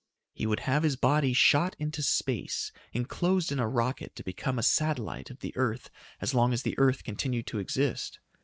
He would have his body shot into space enclosed in a rocket to become a satellite of the earth as long as the earth continued to exist.